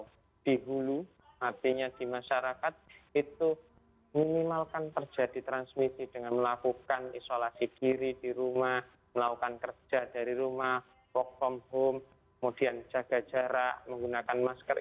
karena dulu artinya di masyarakat itu minimalkan kerja di transmisi dengan melakukan isolasi kiri di rumah melakukan kerja dari rumah walk from home kemudian jaga jarak menggunakan masker